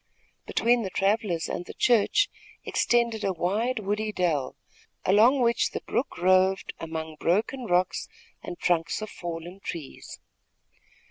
Between the travellers and the church extended a wide, woody dell, along which the brook roved among broken rocks and trunks of fallen trees.